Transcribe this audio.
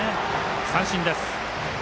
三振です。